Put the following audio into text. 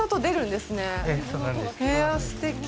すてき。